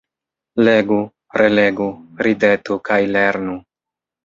Legu, relegu, ridetu kaj lernu.